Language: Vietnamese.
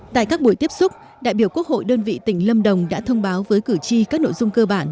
tại các buổi tiếp xúc đại biểu quốc hội đơn vị tỉnh lâm đồng đã thông báo với cử tri các nội dung cơ bản